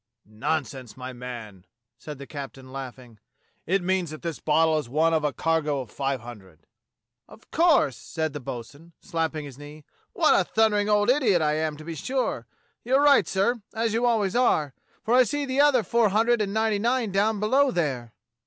"Nonsense, my man," said the captain, laughing. "It means that this bottle is one of a cargo of ^ve hundred." "Of course," said the bo'sun, slapping his knee. "What a thundering old idiot I am, to be sure. You're right, sir, as you always are, for I see the other four A BOTTLE OF ALSACE LORRAINE 35 hundred and ninety nine down below there.